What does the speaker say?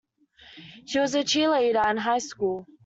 She was a cheerleader in high school.